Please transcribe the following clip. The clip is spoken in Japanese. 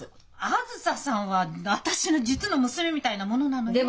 あづささんは私の実の娘みたいなものなのよ。